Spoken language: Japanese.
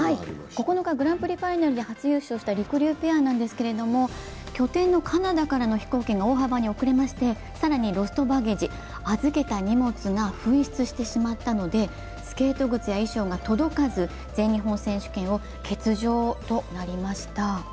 ９日、グランプリファイナルで初優勝したりくりゅうペアでしたが、拠点のカナダからの飛行機が大幅に遅れまして、更にロストバゲージ、預けた荷物が紛失してしまったのでスケート靴や衣装が届かず全日本選手権を欠場となりました。